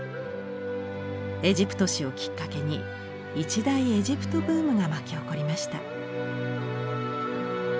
「エジプト誌」をきっかけに一大エジプトブームが巻き起こりました。